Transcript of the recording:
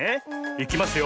いきますよ。